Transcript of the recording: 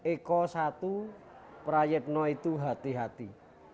eko satu prayetno itu hati hati